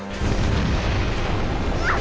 あっ！